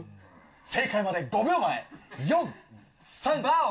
正解まで５秒前、４、３。